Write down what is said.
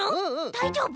だいじょうぶ？